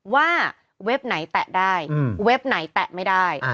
เว็บไหนแตะได้เว็บไหนแตะไม่ได้